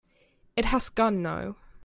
It has gone now.